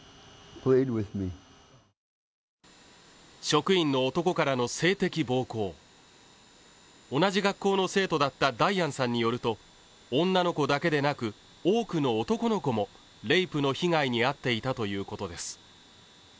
職員の男からの性的暴行同じ学校の生徒だったダイアンさんによると女の子だけでなく多くの男の子もレイプの被害に遭っていたということです